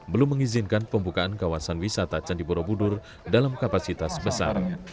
belum mengizinkan pembukaan kawasan wisata candi borobudur dalam kapasitas besar